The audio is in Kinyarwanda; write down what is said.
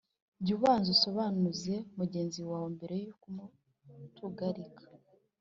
Jya ubanza usobanuze mugenzi wawe mbere yo kumutugarika,